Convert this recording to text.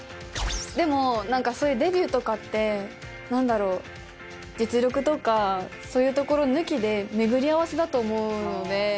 でもなんかそういうデビューとかってなんだろう実力とかそういうところ抜きで巡り合わせだと思うので。